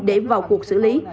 để vào cuộc xử lý